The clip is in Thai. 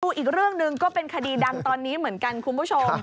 อีกเรื่องหนึ่งก็เป็นคดีดังตอนนี้เหมือนกันคุณผู้ชม